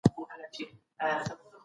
اسلام د انسان ژوند ته ډیر ارزښت ورکوي.